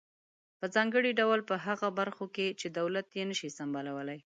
په ځانګړي ډول په هغه برخو کې چې دولت یې نشي سمبالولای.